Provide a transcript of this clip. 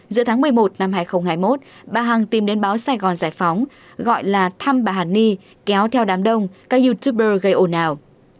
giữa tháng một mươi một năm hai nghìn hai mươi một bà hằng tìm đến báo sài gòn giải phóng gọi là thăm bà hàn ni kéo theo đám đông các youtuber gây ồn ào